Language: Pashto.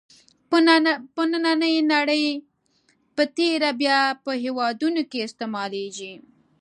په نننۍ نړۍ په تېره بیا په هېوادونو کې استعمالېږي.